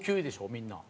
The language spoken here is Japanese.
みんな。